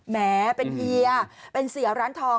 แม้เป็นเฮียเป็นเสียร้านทอง